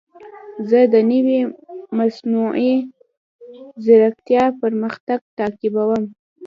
زه د نوې مصنوعي ځیرکتیا پرمختګ تعقیبوم.